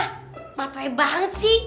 cepetan banget sih